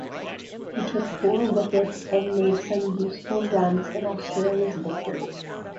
He took four wickets and made some useful runs in Australia's victory.